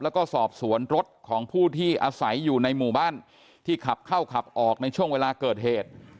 แล้วก็สอบสวนรถของผู้ที่อาศัยอยู่ในหมู่บ้านที่ขับเข้าขับออกในช่วงเวลาเกิดเหตุ